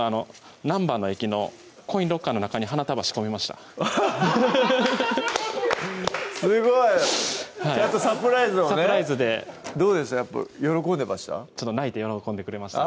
難波の駅のコインロッカーの中に花束仕込みましたすごいちゃんとサプライズをねサプライズでどうでした？